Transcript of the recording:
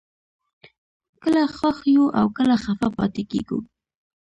کله خوښ یو او کله خفه پاتې کېږو